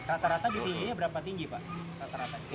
rata rata ditingginya berapa tinggi pak